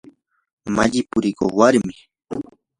malli purikuq warmim.